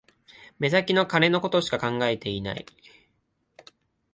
目先の金のことしか考えてない